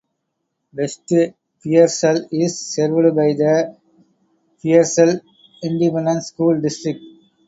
West Pearsall is served by the Pearsall Independent School District.